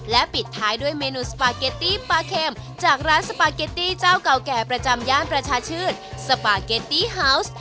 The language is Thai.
และปิดท้ายด้วยเมนูสปาเกตตี้ปลาเข็มจากร้านสปาเกตตี้เจ้าเก่าแก่ประจำย่านประชาชื่นสปาเกตตี้ฮาวส์